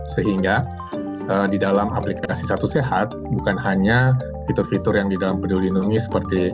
sehingga di dalam aplikasi satu sehat bukan hanya fitur fitur yang di dalam peduli lindungi seperti